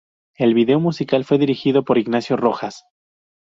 El video musical fue dirigido por Ignacio Rojas.